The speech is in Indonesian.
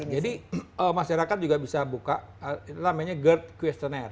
jadi masyarakat juga bisa buka itu namanya gerd questionnaire